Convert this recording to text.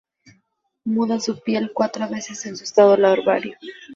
Mudan su piel cuatro veces en su estado larvario.